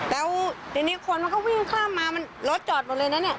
แล้วทีนี้คนมันก็วิ่งข้ามมามันรถจอดหมดเลยนะเนี่ย